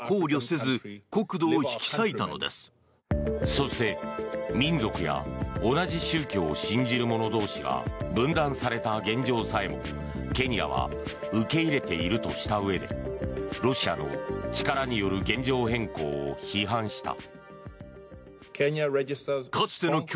そして、民族や同じ宗教を信じる者同士が分断された現状さえもケニアは受け入れているとしたうえでロシアの力による現状変更を批判した。